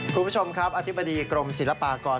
คุณผู้ชมครับอธิบดีกรมศิลปากร